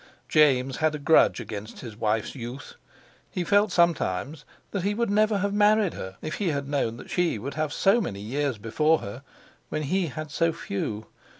James had a grudge against his wife's youth. He felt sometimes that he would never have married her if he had known that she would have so many years before her, when he had so few.